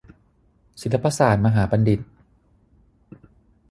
ศิลปศาสตรมหาบัณฑิต